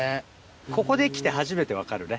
ここで来て初めて分かるね。